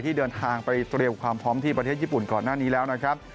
เดินทางไปเตรียมความพร้อมที่ประเทศญี่ปุ่นก่อนหน้านี้แล้วนะครับ